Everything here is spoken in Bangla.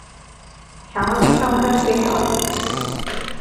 স্বাভাবিক সংখ্যার সেট অসীম।